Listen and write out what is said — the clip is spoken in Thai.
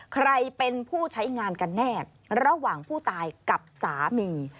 ใครเป็นผู้ใช้งานกันแน่ระหว่างผู้ตายกับสามี